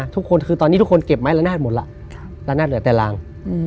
ทุกคนคือตอนนี้ทุกคนเก็บไม้ละนาดหมดแล้วละนาดเหลือแต่ราง